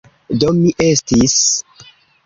Do mi estis...